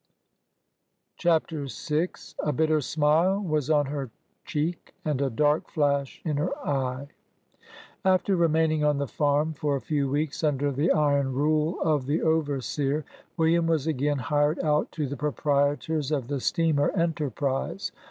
21 CHAPTER VI. " A bitter smile was on her cheek, And a dark flash in her eye." After remaining on the farm for a few weeks, under the iron rule of the overseer, William was again hired out to the proprietors of the steamer " Enterprise."